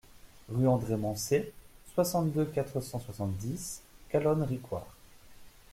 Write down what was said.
Rue André Mancey, soixante-deux, quatre cent soixante-dix Calonne-Ricouart